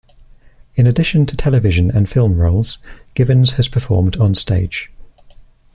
In addition to television and film roles, Givens has performed onstage.